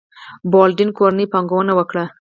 بالډوین کورنۍ پانګونه وکړه.